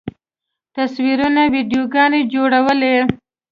تصویرونه، ویډیوګانې جوړولی